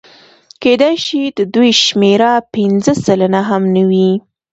کېدای شي د دوی شمېره پنځه سلنه هم نه وي